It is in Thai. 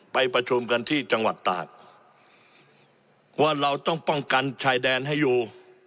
ไปประชุมกันที่จังหวัดตากว่าเราต้องป้องกันชายแดนให้อยู่